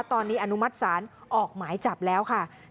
ตอนนี้อนุมัติศาลออกหมายจับแล้วค่ะ